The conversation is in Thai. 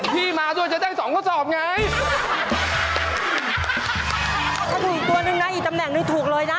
ถ้าถูกตัวหนึ่งนะอีกตำแหน่งหนึ่งถูกเลยนะ